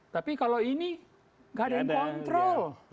tapi kalau ini nggak ada yang kontrol